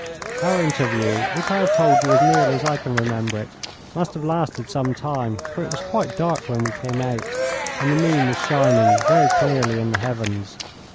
Our interview, which I have told you as nearly as I can remember it, must have lasted some time, for it was quite dark when we came out, and the moon was shining very clearly in the heavens.